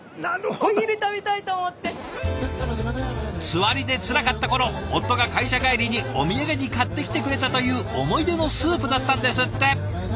つわりでつらかった頃夫が会社帰りにお土産に買ってきてくれたという思い出のスープだったんですって。